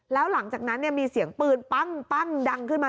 แล้วหลังจากนั้นมีเสียงปืนปั้งดังขึ้นมา